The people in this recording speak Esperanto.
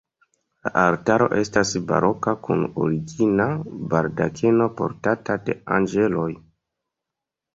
La altaro estas baroka kun origina baldakeno portata de anĝeloj.